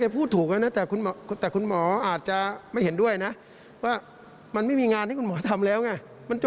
ผมได้รับไปงานแล้วก็ไป